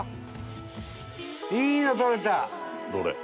どれ？